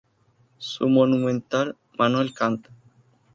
Su monumental "Manuel Kant.